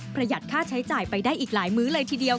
หยัดค่าใช้จ่ายไปได้อีกหลายมื้อเลยทีเดียว